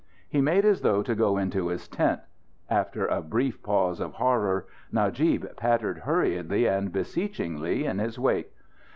He made as though to go into his tent. After a brief pause of horror, Najib pattered hurriedly and beseechingly in his wake.